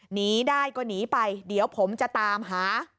หนีได้ก็หนีไปเดี๋ยวผมจะตามหา